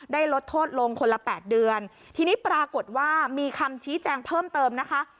ลดโทษลงคนละแปดเดือนทีนี้ปรากฏว่ามีคำชี้แจงเพิ่มเติมนะคะ